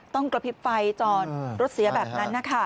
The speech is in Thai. กระพริบไฟจอดรถเสียแบบนั้นนะคะ